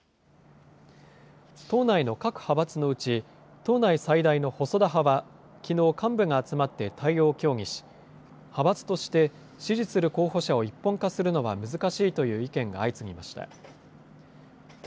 党内の各派閥のうち、党内最大の細田派は、きのう幹部が集まって対応を協議し、派閥として支持する候補者を一本化するのは難しいという意見が相次ぎました。